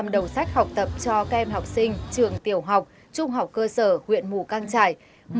hai ba trăm linh đầu sách học tập cho kem học sinh trường tiểu học trung học cơ sở huyện mù căng trải